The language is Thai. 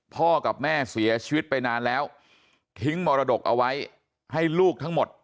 พ่อกับแม่เสียชีวิตไปนานแล้วทิ้งมรดกเอาไว้ให้ลูกทั้งหมด